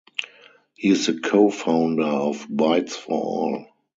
He is the co-founder of BytesForAll.